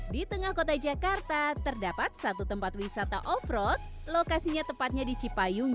di tengah kota jakarta terdapat satu tempat wisata off road lokasinya tepatnya di cipayung